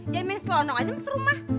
jangan main selonok aja di rumah